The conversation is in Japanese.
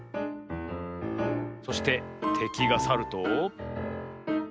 そしててきがさると。